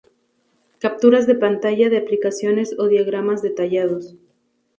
Capturas de pantalla de aplicaciones o diagramas detallados.